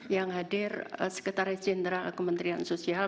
yang hadir sekretaris jenderal kementerian sosial